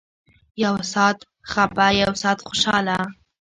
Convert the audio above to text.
يو سات خپه يو سات خوشاله.